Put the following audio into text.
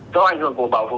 do ảnh hưởng của bão số tám